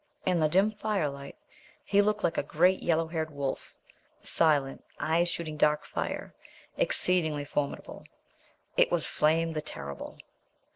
In the dim firelight he looked like a great yellow haired wolf, silent, eyes shooting dark fire, exceedingly formidable. It was Flame, the terrible.